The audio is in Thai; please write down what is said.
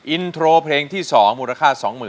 อินโทรเพลงที่๒มูลค่า๒๐๐๐